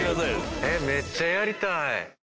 めっちゃやりたい。